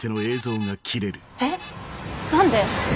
えっ何で？